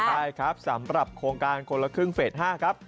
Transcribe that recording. ใช่ครับสำหรับโครงการคนละครึ่งเฟส๕ครับ